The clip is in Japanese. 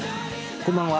こんばんは。